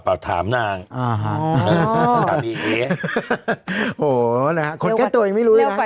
เปล่าถามนางโอ้โหคนแค่ตัวยังไม่รู้แหละ